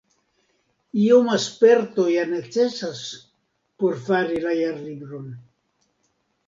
Ioma sperto ja necesas por fari la Jarlibron.